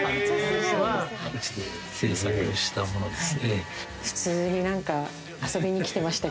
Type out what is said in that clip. うちで製作したものです。